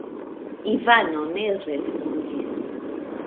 Ivano ne respondis.